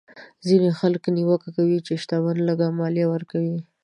ځینې خلک نیوکه کوي چې شتمن لږه مالیه ورکوي.